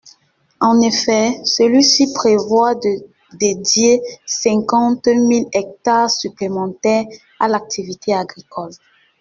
En effet, celui-ci prévoit de dédier cinquante mille hectares supplémentaires à l’activité agricole.